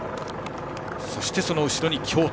そして、その後ろに京都。